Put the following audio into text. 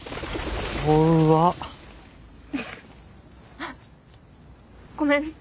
あごめん。